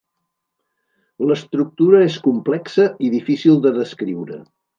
L'estructura és complexa i difícil de descriure.